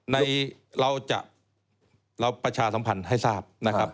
ในเราจะเราประชาสัมพันธ์ให้ทราบนะครับ